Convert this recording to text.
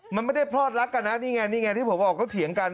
มันไม่ได้พรอดรักกันนี่ไงที่ผมบอกเขาเถียงกัน